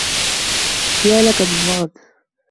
يا لك من وغد.